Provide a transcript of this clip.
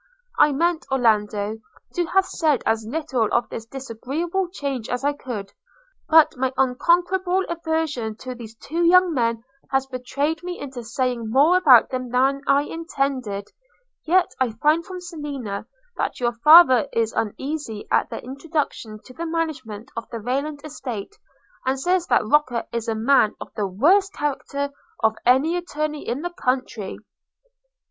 I meant, Orlando, to have said as little of this disagreeable change as I could; but my unconquerable aversion to these two men has betrayed me into saying more about them than I intended: yet I find from Selina, that your father is uneasy at their introduction to the management of the Rayland estate, and says that Roker is a man of the worst character of any attorney in the country.